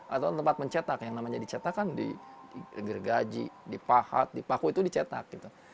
atau tempat mencetak yang namanya dicetak kan di gergaji di pahat di paku itu dicetak gitu